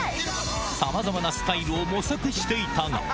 さまざまなスタイルを模索していたが。